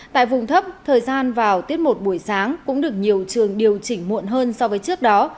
tại vùng thấp thời gian vào tiết một buổi sáng cũng được nhiều trường điều chỉnh muộn hơn so với trước đó